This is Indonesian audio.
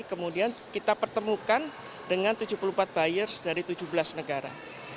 kemudian kita pertemukan dengan tujuh puluh empat buyers dari tujuh belas negara